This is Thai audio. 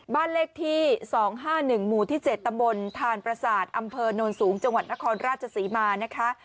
บ้านเลขที่๒๕๑หมู่ที่๗ตำบลทานประสาทอำเภอโนนสูงจังหวัดนครราชศรีมานะคะ